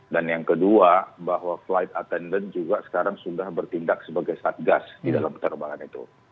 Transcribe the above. dan yang kedua bahwa flight attendant juga sekarang sudah bertindak sebagai satgas di dalam penerbangan itu